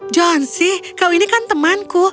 john c kau ini kan temanku